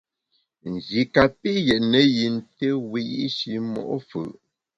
Nji kapi yètne yin té wiyi’shi mo’ fù’.